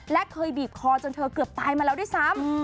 และเคยบีบคอจนเธอเกือบตายมาแล้วด้วยซ้ำ